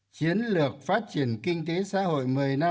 chiến lược phát triển kinh tế xã hội